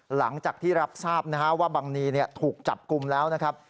หลังจากที่รับทราบนะฮะว่าบังนีถูกจับกลุ่มแล้วนะครับ